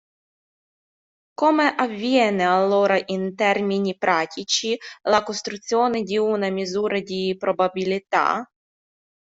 Come avviene allora in termini pratici la costruzione di una misura di probabilità?